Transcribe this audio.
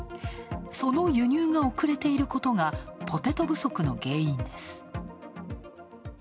その輸入が遅れていることがポテト不足の原因です。